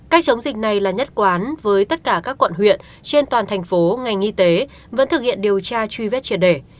cách chống dịch này là nhất quán với tất cả các quận huyện trên toàn thành phố ngành y tế vẫn thực hiện điều tra truy vết triệt để